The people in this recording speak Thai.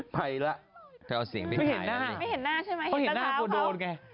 ไปละไม่เห็นหน้าใช่มั้ยเห็นตระเท้าเขาเขาเห็นหน้ากว่าโดนไง